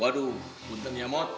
waduh buntun ya bot